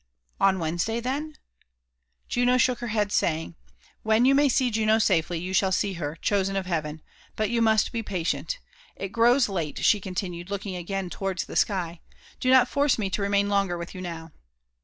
'* On Wednesday, then ?" Juno shook her head, saying —*' When you may see Juno safely, you shall see her, chosen of Bcaven ! But you must be patient. It grows late," she continued, looking again towards the sky; '' do not force me to remain longer with you now."